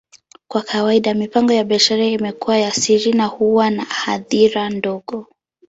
Kwa kawaida, mipango ya biashara imekuwa ya siri na huwa na hadhira ndogo.